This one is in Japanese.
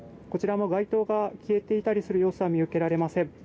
こちらの街灯が消えていたりする様子は見受けられません。